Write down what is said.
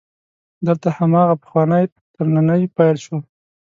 دلته هم هماغه پخوانی ترننی پیل شو.